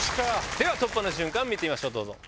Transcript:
では突破の瞬間見てみましょう。